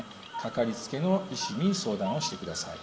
かかりつけの医師に相談をしてください。